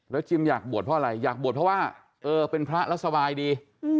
จิมอยากบวชเพราะอะไรอยากบวชเพราะว่าเออเป็นพระแล้วสบายดี